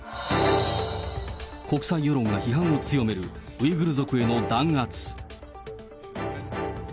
国際世論が批判を強めるウイグル族への弾圧。